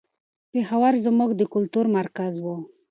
پېښور زموږ د کلتور مرکز و.